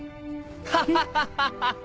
ハハハハハ！